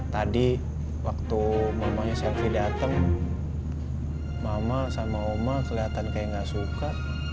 tadi waktu mamanya selfie datang mama sama oma kelihatan kayak nggak suka